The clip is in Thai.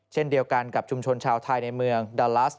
เช่นเดียวกันกับชุมชนชาวไทยในเมืองดาลัส